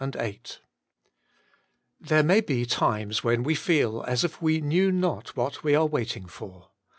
rjlHERE may be tlmee when we feel as if * we knew not what we are waiting for.